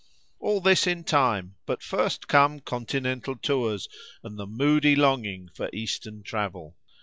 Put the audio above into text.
All this in time, but first came Continental tours and the moody longing for Eastern travel.